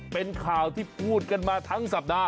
เป็นข่าวที่พูดกันมาทั้งสัปดาห